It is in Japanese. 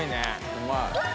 うまい。